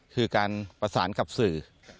คือการประสานกับสื่อ